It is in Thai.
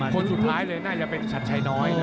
คนสุดท้ายเลยน่าจะเป็นชัดชัยน้อยนะ